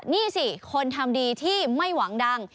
นี่สิคนทำดีที่ไม่หวังดัง